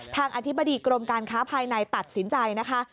อธิบดีกรมการค้าภายในตัดสินใจนะคะ